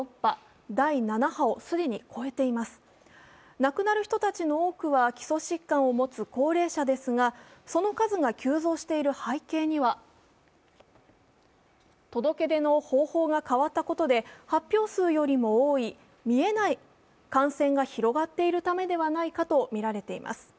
亡くなる人たちの多くは基礎疾患を持つ高齢者ですがその数が急増している背景には、届け出の方法が変わったことで発表数よりも多い見えない感染が広がっているためではないかとみられています。